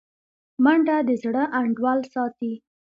منډه د زړه انډول ساتي